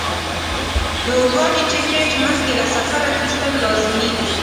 د اورګاډي ټکټ مخکې له سفره اخیستل لازمي دي.